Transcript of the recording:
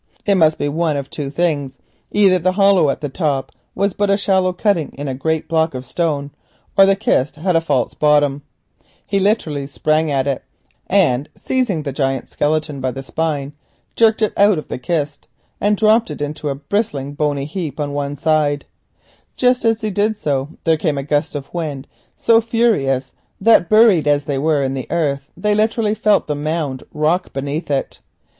It must be one of two things—either the hollow at the top was but a shallow cutting in a great block of stone, or the kist had a false bottom. He sprang at it. Seizing the giant skeleton by the spine, he jerked it out of the kist and dropped it on one side in a bristling bony heap. Just as he did so there came so furious a gust of wind that, buried as they were in the earth, they literally felt the mound rock beneath it.